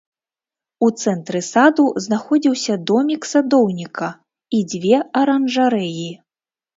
У цэнтры саду знаходзіўся домік садоўніка і дзве аранжарэі.